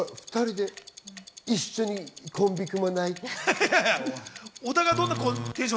一緒にコンビ組まない？